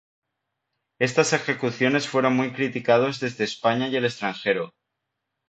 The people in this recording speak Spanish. Estas ejecuciones fueron muy criticados desde España y el extranjero.